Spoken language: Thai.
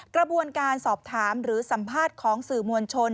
กระบวนการสอบถามหรือสัมภาษณ์ของสื่อมวลชน